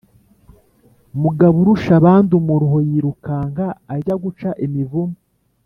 mugaburushabandumuruho yirukanka ajya guca imivumu